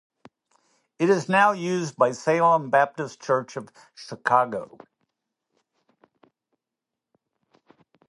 It is now used by Salem Baptist Church of Chicago.